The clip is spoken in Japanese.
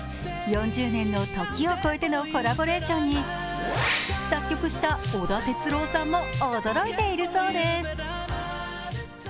４０年の時を越えてのコラボレーションに作曲した織田哲郎さんも驚いているそうです。